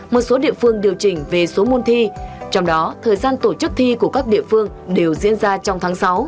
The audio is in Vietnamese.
một số địa phương điều chỉnh về số môn thi trong đó thời gian tổ chức thi của các địa phương đều diễn ra trong tháng sáu